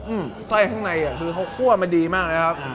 อืมใส่ข้างในคือเขาคั่วมาดีมากเลยครับ